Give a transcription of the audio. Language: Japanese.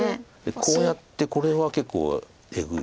こうやってこれは結構えぐい。